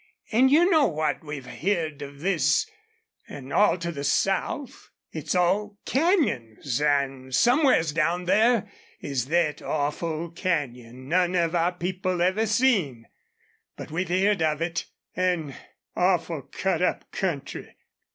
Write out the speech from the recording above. An' you know what we've heerd of this an' all to the south. It's all canyons, an' somewheres down there is thet awful canyon none of our people ever seen. But we've heerd of it. An awful cut up country."